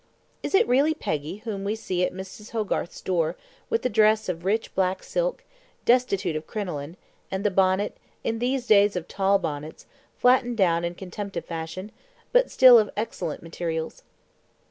Is it really Peggy whom we see at Mrs. Hogarth's door with the dress of rich black silk, destitute of crinoline, and the bonnet, in these days of tall bonnets, flattened down in contempt of fashion, but still of excellent materials?